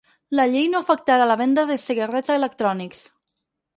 La llei no afectarà la venda de cigarrets electrònics.